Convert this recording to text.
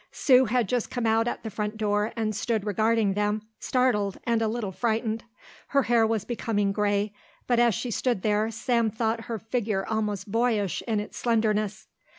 Sue had just come out at the front door and stood regarding them, startled and a little frightened. Her hair was becoming grey, but as she stood there Sam thought her figure almost boyish in its slenderness.